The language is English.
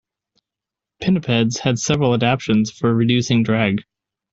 Pinnipeds have several adaptions for reducing drag.